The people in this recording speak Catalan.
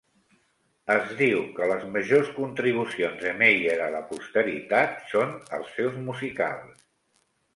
Es diu que les majors contribucions de Mayer a la posteritat són els seus musicals.